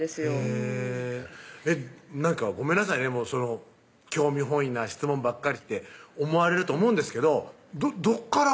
へぇなんかごめんなさいね興味本位な質問ばっかりって思われると思うんですけどどっから？